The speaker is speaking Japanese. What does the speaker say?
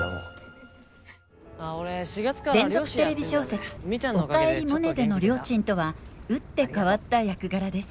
連続テレビ小説「おかえりモネ」でのりょーちんとは打って変わった役柄です。